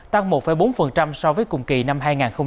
tăng một bốn so với cùng kỳ năm hai nghìn hai mươi hai